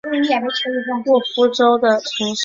德罗霍贝奇是位于乌克兰西部利沃夫州的城市。